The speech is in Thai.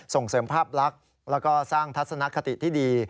ส่งเสริมภาพลักษณ์แล้วก็สร้างทัศนคติที่ดี